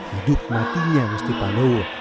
hidup matinya ngesti pandowo